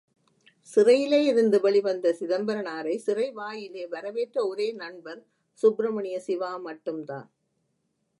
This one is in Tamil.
சிறையிலே இருந்து வெளிவந்த சிதம்பரனாரை சிறை வாயிலே வரவேற்ற ஒரே நண்பர் சுப்பிரமணிய சிவா மட்டும்தான்.